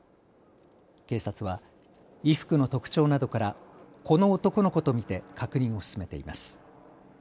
警察は衣服の特徴などからこの男の子と見て確認を進めています。